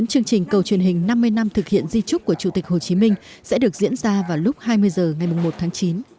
chương trình cầu truyền hình năm mươi năm thực hiện di trúc của chủ tịch hồ chí minh sẽ được diễn ra vào lúc hai mươi h ngày một tháng chín